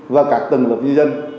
và các tầng lực nhân dân